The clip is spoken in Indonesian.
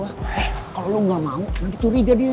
eh kalo lo gak mau nanti curi dia dia